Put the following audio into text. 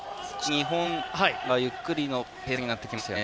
少し日本がゆっくりのペースになってきましたよね。